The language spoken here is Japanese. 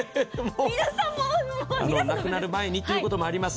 なくなる前にということもあります。